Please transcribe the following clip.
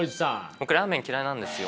僕ラーメン嫌いなんですよ。